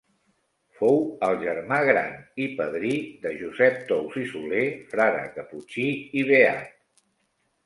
Fou el germà gran, i padrí, de Josep Tous i Soler, frare caputxí i beat.